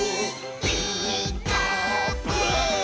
「ピーカーブ！」